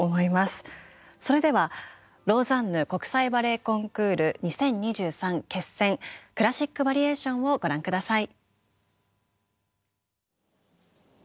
それでは「ローザンヌ国際バレエコンクール２０２３」決選クラシック・バリエーションをご覧下さい。